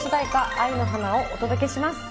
「愛の花」をお届けします。